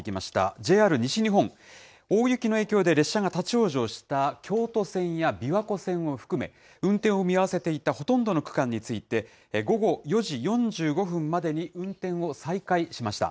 ＪＲ西日本、大雪の影響で列車が立往生した京都線や琵琶湖線を含め、運転を見合わせていたほとんどの区間について、午後４時４５分までに運転を再開しました。